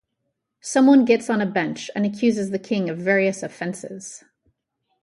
Someone gets on a bench and accuses the King of various offenses.